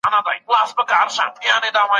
په اسلام کي د ښځي د حقوقو لنډيز.